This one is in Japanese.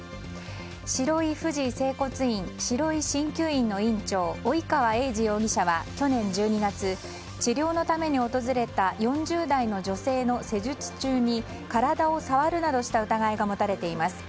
しろい冨士整骨院・しろい鍼灸院の院長及川栄治容疑者は、去年１２月治療のために訪れた４０代の女性の施術中に体を触るなどした疑いが持たれています。